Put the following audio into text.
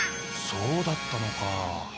そうだったのか。